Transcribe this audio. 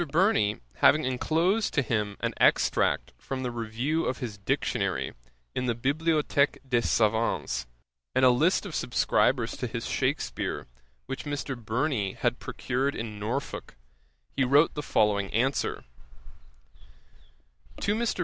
Burney having enclosed to him an extract from the review of his Dictionary in the _Bibliothèque des Savans, and a list of subscribers to his Shakspeare, which Mr. Burney had procured in Norfolk, he wrote the following answer: 'To MR.